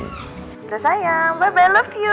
yaudah sayang bye bye love you